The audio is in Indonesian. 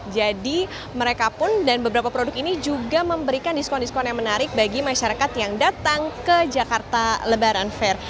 jadi mereka pun dan beberapa produk ini juga memberikan diskon diskon yang menarik bagi masyarakat yang datang ke jakarta lebaran fair